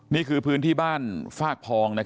นี่คือพื้นที่บ้านฟากพอง